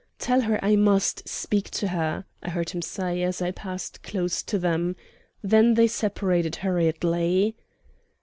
'Tell her I must speak to her,' I heard him say, as I passed close to them. Then they separated hurriedly.